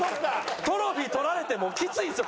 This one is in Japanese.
トロフィー取られてもうきついんですよ